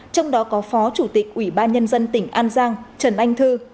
trong đó có phó chủ tịch ủy ban nhân dân tỉnh an giang trần anh thư